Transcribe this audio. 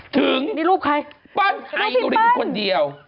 ถึงนี่รูปใครเพลินคนเดียว